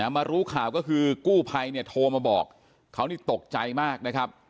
มารู้ข่าวก็คือกู้ภัยเนี่ยโทรมาบอกเขานี่ตกใจมากนะครับ